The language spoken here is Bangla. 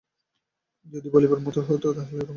যদি বলিবার মতো কিছু হইত, তবে তো রমেশবাবু আপনিই বলিতেন।